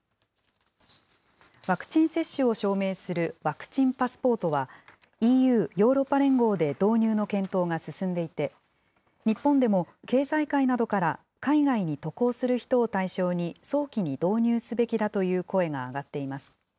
ワクチン接種を証明するワクチンパスポートは、ＥＵ・ヨーロッパ連合で導入の検討が進んでいて、日本でも経済界などから海外に渡航する人を対象に、早期に導入すべきだという声が上がっています。